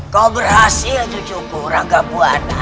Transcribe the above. kau berhasil cucuku rangga buarna